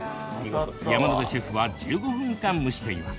山野辺シェフは１５分間蒸しています。